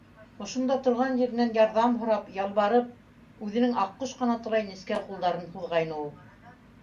Ошонда торған еренән ярҙам һорап, ялбарып, үҙенең аҡҡош ҡанатылай нескә ҡулдарын һуҙғайны ул...